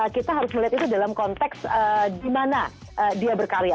kita harus melihat itu dalam konteks di mana dia berkarya